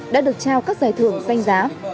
đã được trao các giải thưởng danh giá